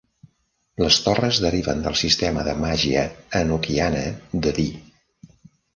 Les torres deriven del sistema de màgia enoquiana de Dee.